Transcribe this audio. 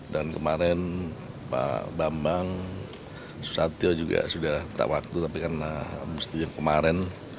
dan kemarin pak bambang susatyo juga sudah tak waktu tapi karena mustinya kemarin